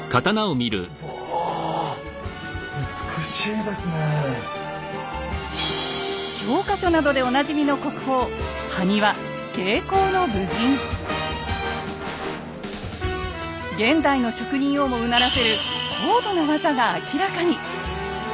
うわ教科書などでおなじみの現代の職人をもうならせる高度な技が明らかに！